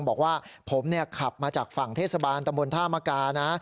บอกว่าผมเนี่ยขับมาจากฝั่งเทศบาลตำบลธามกานะ